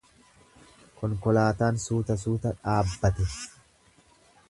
Konkolaataan suuta suuta dhaabbate.